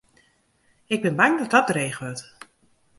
Ik bin bang dat dat dreech wurdt.